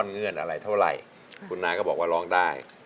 เงื่อนอะไรเท่าไหร่คุณน้าก็บอกว่าร้องได้